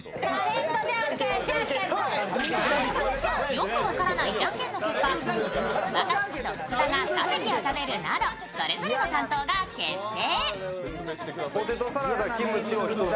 よく分からないじゃんけんの結果、若槻と福田がクァベギを食べるなどそれぞれの担当が決定。